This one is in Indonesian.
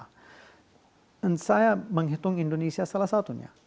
dan saya menghitung indonesia salah satunya